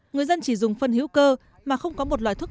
người dân chỉ dùng phân hữu cơ mà không có một loài thuốc